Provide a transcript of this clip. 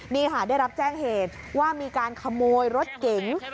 นี่ค่ะได้รับแจ้งเหตุว่ามีการขโมยรถเก๋ง